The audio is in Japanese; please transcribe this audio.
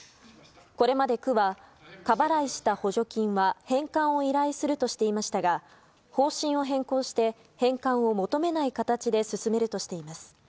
これまで区は過払いした補助金は返還を依頼するとしていましたが方針を変更して返還を求めない形で進めるとしています。